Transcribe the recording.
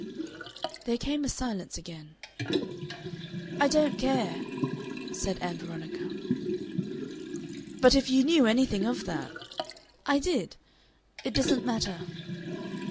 There came a silence again. "I don't care," said Ann Veronica. "But if you knew anything of that " "I did. It doesn't matter."